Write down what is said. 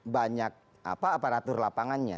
banyak apa aparatur lapangannya